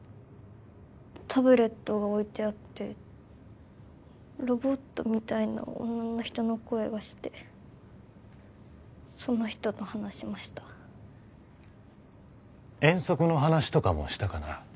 タブレットが置いてあってロボットみたいな女の人の声がしてその人と話しました遠足の話とかもしたかな？